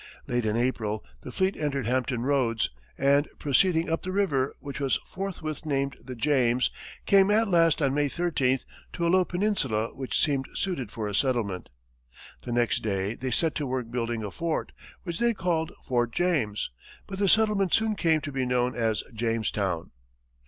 Late in April, the fleet entered Hampton Roads, and proceeding up the river, which was forthwith named the James, came at last on May 13th, to a low peninsula which seemed suited for a settlement. The next day they set to work building a fort, which they called Fort James, but the settlement soon came to be known as Jamestown.